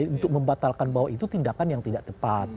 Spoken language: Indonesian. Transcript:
untuk membatalkan bahwa itu tindakan yang tidak tepat